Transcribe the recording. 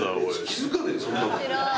気付かねえよそんなもん。